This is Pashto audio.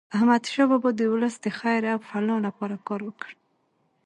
احمد شاه بابا د ولس د خیر او فلاح لپاره کار وکړ.